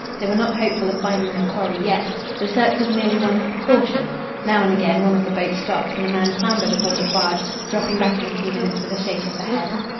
They were not hopeful of finding their quarry yet. The search was merely one of precaution. Now and again one of the boats stopped and a man clambered aboard a barge, dropping back in a few minutes with a shake of the head.